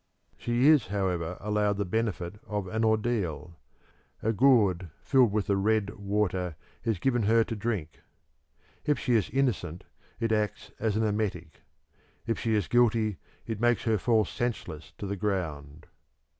She is, however, allowed the benefit of an ordeal: a gourd filled with the "red water" is given her to drink. If she is innocent it acts as an emetic; if she is guilty it makes her fall senseless to the ground.